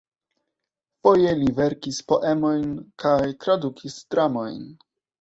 Foje li verkis poemojn kaj tradukis dramojn.